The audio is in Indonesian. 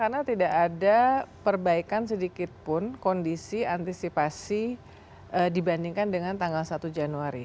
karena tidak ada perbaikan sedikit pun kondisi antisipasi dibandingkan dengan tanggal satu januari